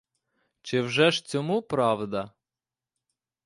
Чи вже ж цьому правда?